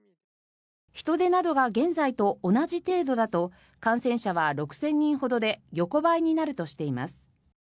人出などが現在と同じ程度だと感染者は６０００人ほどで横ばいになるとしています。